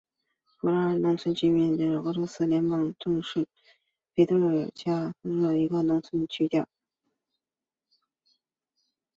普拉塔瓦农村居民点是俄罗斯联邦沃罗涅日州列皮约夫卡区所属的一个农村居民点。